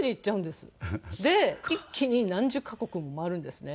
で一気に何十カ国も回るんですね。